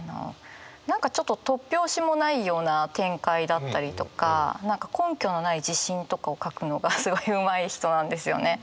何かちょっと突拍子もないような展開だったりとか何か根拠のない自信とかを書くのがすごいうまい人なんですよね。